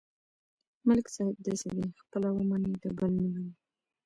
ملک صاحب داسې دی: خپله ومني، د بل نه مني.